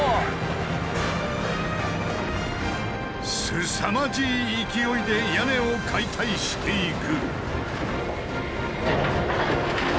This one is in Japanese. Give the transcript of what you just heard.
すさまじい勢いで屋根を解体していく。